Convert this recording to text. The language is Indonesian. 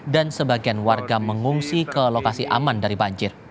dan sebagian warga mengungsi ke lokasi aman dari banjir